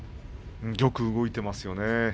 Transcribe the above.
よく動いてますよね。